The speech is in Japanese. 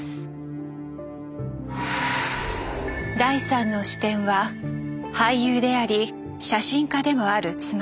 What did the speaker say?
第３の視点は俳優であり写真家でもある妻